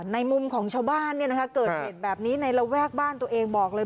ในมุมของชาวบ้านเกิดเหตุแบบนี้ในระแวกบ้านตัวเองบอกเลย